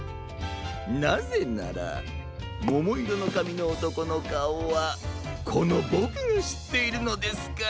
なぜならももいろのかみのおとこのかおはこのボクがしっているのですから。